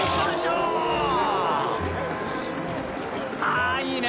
［あいいね！